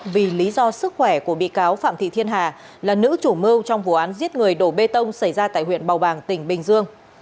vì lý do sức khỏe của bị cáo phạm thị thiên hà là nữ chủ mưu trong vụ án giết người đổ bê tông xảy ra tại huyện bào bàng tỉnh bình dương